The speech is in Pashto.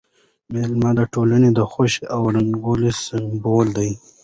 مېله د ټولني د خوښۍ او رنګارنګۍ سېمبول ده.